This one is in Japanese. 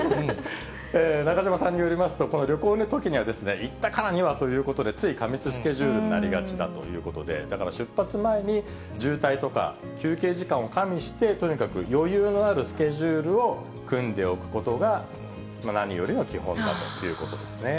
中島さんによりますと、この旅行のときにはですね、行ったからにはということで、つい過密スケジュールになりがちだということで、だから、出発前に、渋滞とか休憩時間を管理して、とにかく余裕のあるスケジュールを組んでおくことが、何よりの基本だということですね。